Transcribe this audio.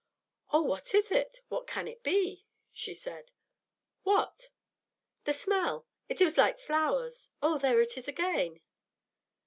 "Oh, what is it; what can it be?" she said. "What?" "The smell. It is like flowers. Oh, there it is again!"